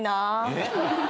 えっ？